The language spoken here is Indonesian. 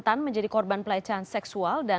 dan ini hanya sebagian